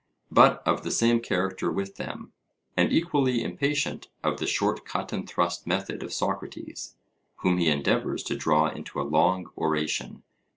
but of the same character with them, and equally impatient of the short cut and thrust method of Socrates, whom he endeavours to draw into a long oration.